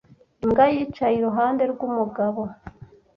Imbwa yicaye iruhande rwumugabo.